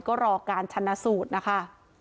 ก็รอการชนะสูตรนะคะ